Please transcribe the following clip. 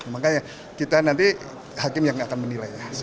makanya kita nanti hakim yang akan menilainya